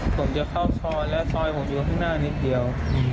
ผมจะเข้าซอยแล้วซอยผมอยู่ข้างหน้านิดเดียว